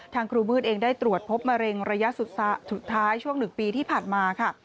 ทางครูมืดเองได้ตรวจพบมะเร็งระยะสุดท้ายช่วง๑ปีที่ผ่านมาค่ะ